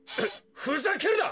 ふざけるな！